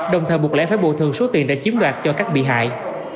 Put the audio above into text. đồng thời buộc lẽ phải bồi thường số tiền đã chiếm đoạt cho các bị hại